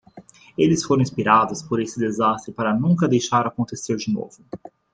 Eles foram inspirados por esse desastre para nunca deixar acontecer de novo.